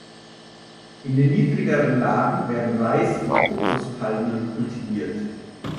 In den niedrigeren Lagen werden Reis und Kokospalmen kultiviert.